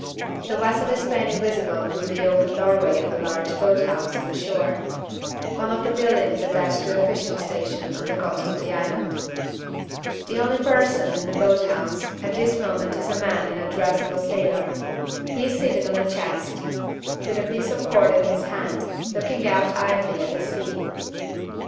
The vessel is plainly visible through the open doorway of a large boat house on the shore one of the buildings attached to a fishing station on the coast of the island. The only person in the boat house at this moment is a man in the dress of a sailor. He is seated on a chest, with a piece of cord in his hand, looking out idly at the sea.